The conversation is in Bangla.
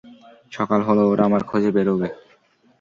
সকাল হলে, ওরা আমার খোঁজে বেরোবে।